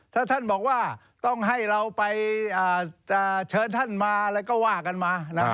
ถ้าท่านบอกว่าต้องให้เราไปเชิญท่านมาอะไรก็ว่ากันมานะ